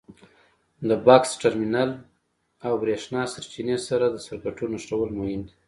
د بکس ټرمینل او برېښنا سرچینې سره د سرکټونو نښلول مهم دي.